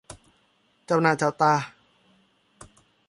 เจ้าหน้าเจ้าตา